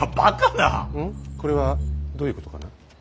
これはどういうことかな。